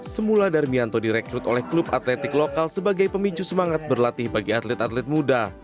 semula darmianto direkrut oleh klub atletik lokal sebagai pemicu semangat berlatih bagi atlet atlet muda